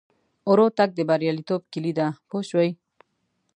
ورو تګ د بریالیتوب کیلي ده پوه شوې!.